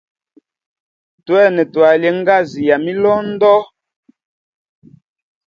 Twene twalie ngazi ya milondo.